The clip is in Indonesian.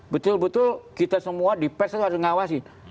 betul betul kita semua di pes harus ngawasi